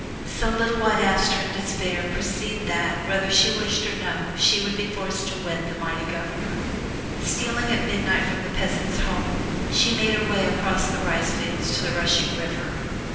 So little White Aster in despair perceived that, whether she wished or no, she would be forced to wed the mighty Governor. Stealing at midnight from the peasant's home, she made her way across the rice fields to the rushing river.